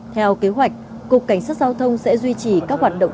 theo kế hoạch cục cảnh sát giao thông sẽ duy trì các hoạt động